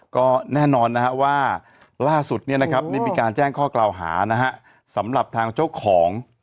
ก็แน่นอนนะฮะว่าล่าสุดได้มีการแจ้งข้อกล่าวหานะฮะสำหรับทางเจ้าของ